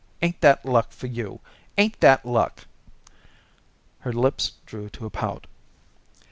Ain't that luck for you? Ain't that luck?" Her lips drew to a pout.